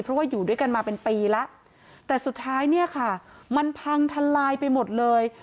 เพราะว่าอยู่ด้วยกันมาเป็นปีแล้วแต่สุดท้ายเนี่ยค่ะมันพังทลายไปหมดเลย